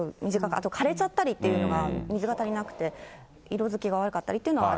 あと枯れちゃったりというのが、水が足りなくて、色づきが悪かったりっ